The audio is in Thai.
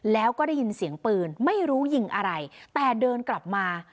แล้วก็ได้ยินเสียงปืนไม่รู้ยิงอะไรแต่เดินกลับมา